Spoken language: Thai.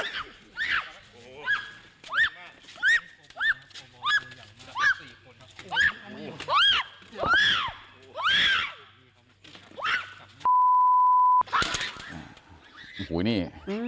โอ้โหนี่